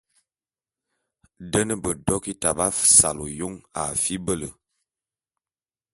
Den bedokita b'asal ôyôn a fibele.